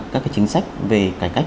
các chính sách về cải cách